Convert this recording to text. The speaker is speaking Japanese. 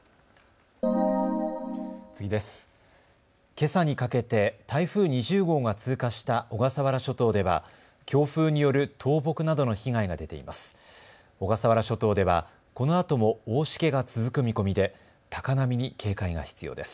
けさにかけて台風２０号が通過した小笠原諸島では強風による倒木などの被害が出ています。